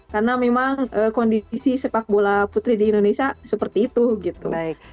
karena memang kondisi sepak bola putri di indonesia seperti itu gitu